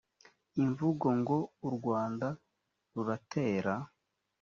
imvugo ngo u rwanda ruratera